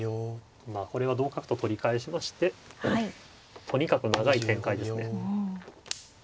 まあこれは同角と取り返しましてとにかく長い展開ですね。